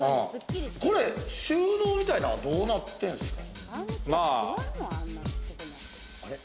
これ、収納自体はどうなってるんですか？